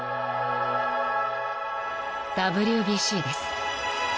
［ＷＢＣです］